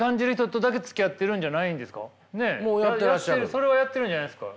それはやっているんじゃないんですか。